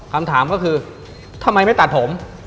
คำถามก็คือทำไมไม่ตัดผม